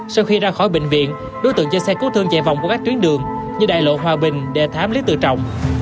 sau khi ra khỏi bệnh viện đối tượng cho xe cứu thương chạy vòng qua các tuyến đường như đại lộ hòa bình để thám lý tự trọng